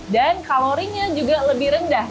dan kalorinya juga lebih rendah